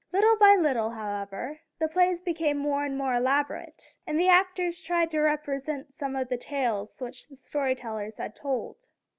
Little by little, however, the plays became more and more elaborate, and the actors tried to represent some of the tales which the story tellers had told.